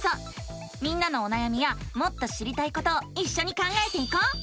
みんなのおなやみやもっと知りたいことをいっしょに考えていこう！